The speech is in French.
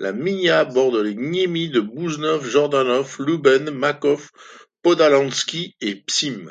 La gmina borde les gminy de Budzów, Jordanów, Lubień, Maków Podhalański et Pcim.